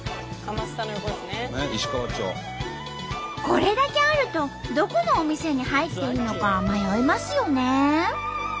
これだけあるとどこのお店に入っていいのか迷いますよね。